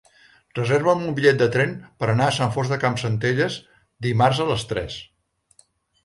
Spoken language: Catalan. Reserva'm un bitllet de tren per anar a Sant Fost de Campsentelles dimarts a les tres.